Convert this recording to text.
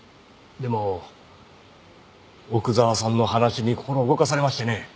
でも奥沢さんの話に心動かされましてね。